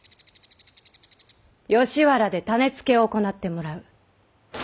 吉原で種付けを行ってもらう。